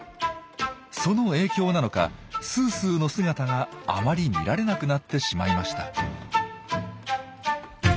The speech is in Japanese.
その影響なのかすーすーの姿があまり見られなくなってしまいました。